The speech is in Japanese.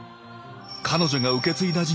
彼女が受け継いだ事業